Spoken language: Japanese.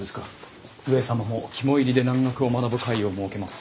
上様も肝煎りで蘭学を学ぶ会を設けます。